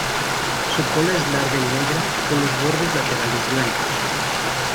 Su cola es larga y negra con los bordes laterales blancos.